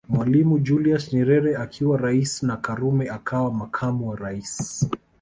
Mwalimu Julius Nyerere akiwa rais na Karume akawa makamu wa rais